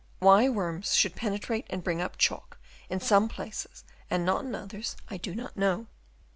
Why worms should penetrate and bring up chalk in some places and not in others I do not know.